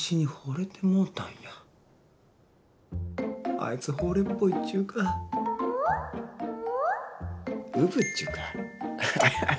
あいつほれっぽいっちゅうかうぶっちゅうかアハハ